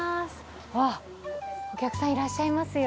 わっ、お客さんいらっしゃいますよ。